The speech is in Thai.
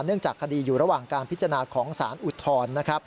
เนื่องจากคดีอยู่ระหว่างการพิจารณาของสารอุทธรณ์